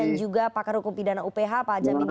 dan juga pakar hukum pidana uph pak jamin ginting